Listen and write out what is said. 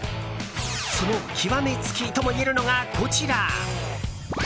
その極めつきともいえるのがこちら。